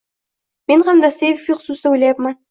Men hamon Dostoevskiy xususida o’ylayapman